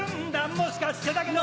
もしかしてだけど